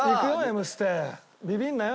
ビビんなよ